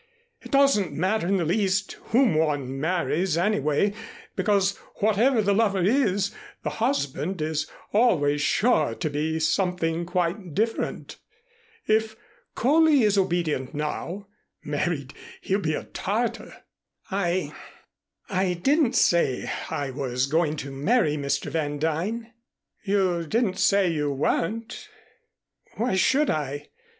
It doesn't matter in the least whom one marries anyway, because whatever the lover is, the husband is always sure to be something quite different. If Coley is obedient now, married he'll be a Tartar." "I I didn't say I was going to marry Mr. Van Duyn." "You didn't say you weren't." "Why should I?